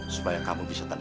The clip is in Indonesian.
supaya kamu bisa tenang